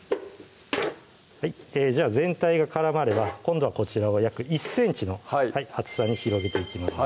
じゃあ全体が絡まれば今度はこちらを約１ｃｍの厚さに広げていきます